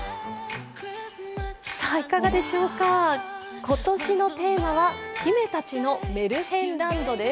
いかがでしょうか、今年のテーマは姫たちのメルヘンランドです。